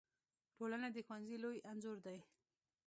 ټولنه د ښوونځي لوی انځور دی.